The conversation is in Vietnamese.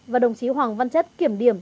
và đồng chí hoàng văn chất kiểm điểm